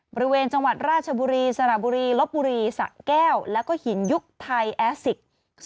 บริเวณจังหวัดราชบุรีสระบุรีลบบุรีสะแก้วแล้วก็หินยุคไทยแอสสิก